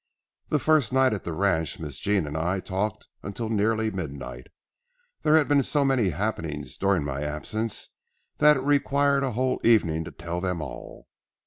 The first night at the ranch, Miss Jean and I talked until nearly midnight. There had been so many happenings during my absence that it required a whole evening to tell them all.